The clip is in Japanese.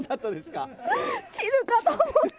死ぬかと思った。